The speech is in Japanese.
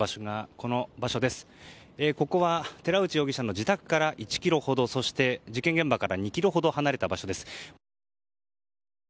ここは、寺内容疑者の自宅から１ｋｍほどそして事件現場から２ｋｍほど離れた場所です。